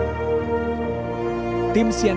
tim cnn indonesia jakarta